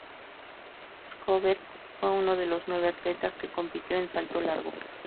Sjöberg fue uno de los nueve atletas que compitió en salto largo.